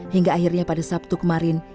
hingga akhirnya pada sabtu kemarin